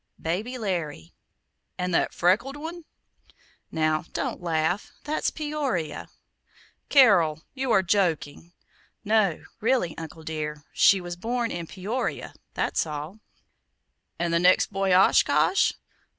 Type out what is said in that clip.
"Baby Larry." "And that freckled one?" "Now, don't laugh that's Peoria!" "Carol, you are joking." "No, really, Uncle dear. She was born in Peoria; that's all." "And is the next boy Oshkosh?"